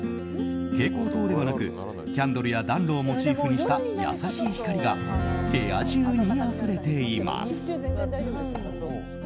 蛍光灯ではなく、キャンドルや暖炉をモチーフにした優しい光が部屋中にあふれています。